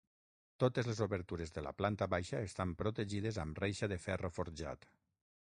Totes les obertures de la planta baixa estan protegides amb reixa de ferro forjat.